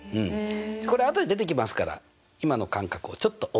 これあとで出てきますから今の感覚をちょっと覚えておいてくださいね。